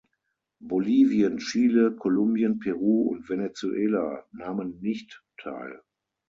Bolivien, Chile, Kolumbien, Peru und Venezuela nahmen nicht teil.